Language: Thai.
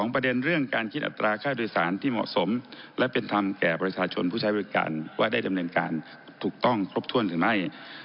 ประเด็นเรื่องการคิดอัตราค่าโดยสารที่เหมาะสมและเป็นธรรมแก่ประชาชนผู้ใช้บริการว่าได้ดำเนินการถูกต้องครบถ้วนหรือไม่